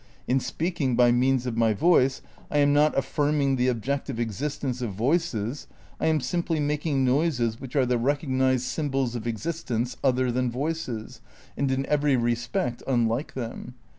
In speaking by means of my voice I am not affirming the objective existence of voices, I am simply making noises which are the recognised symbols of existents other than voices, and in every respect unlike them.